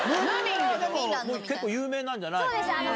結構有名なんじゃないの？